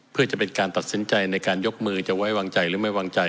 เพื่อจะเป็นการตัดสินใจในการยกมือจะไว้วางใจหรือไม่วางใจ